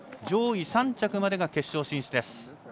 上位３着までが決勝進出です。